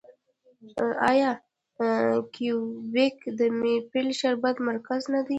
آیا کیوبیک د میپل شربت مرکز نه دی؟